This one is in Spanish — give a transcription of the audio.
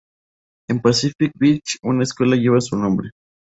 En Pacific Beach, una escuela lleva su nombre.